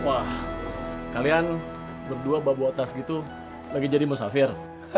wah kalian berdua bawa tas gitu lagi jadi musafir